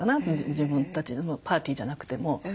自分たちのパーティーじゃなくても。